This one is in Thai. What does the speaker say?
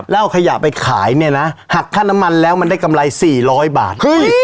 แล้วเอาขยะไปขายเนี่ยนะหักค่าน้ำมันแล้วมันได้กำไร๔๐๐บาท